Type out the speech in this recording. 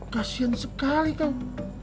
kasian sekali kak